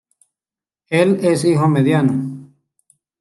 Él es el hijo mediano.